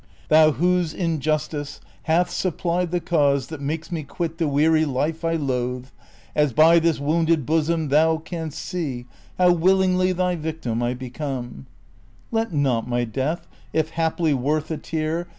Thou Avhose injustice hath supplied the cause That makes me (|uit the weary life I loathe, As by this wounded bosom thou canst see How willingly thy victim I become, Let not my death, if haply worth a tear.